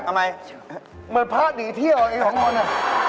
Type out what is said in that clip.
ทำไมเหมือนพ่าดีเที่ยวเหรอไอ้หัวโง่นน่ะ